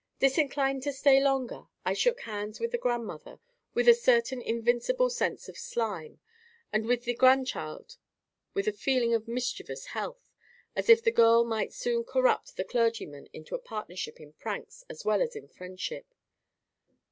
Disinclined to stay any longer, I shook hands with the grandmother, with a certain invincible sense of slime, and with the grandchild with a feeling of mischievous health, as if the girl might soon corrupt the clergyman into a partnership in pranks as well as in friendship.